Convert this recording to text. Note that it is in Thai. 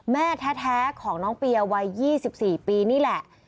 แม่แท้ของน้องเปียวัย๒๔ปีนี่แหละ